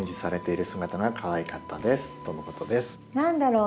何だろう？